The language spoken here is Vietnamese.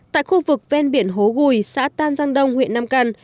tại khu vực ven biển hố gùi xã tam giang đông huyện nam căn